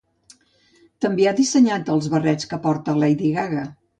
També ha dissenyat els barrets que porta Lady Gaga.